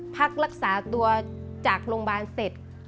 พักรักษาตัวจากโรงพยาบาลเสร็จ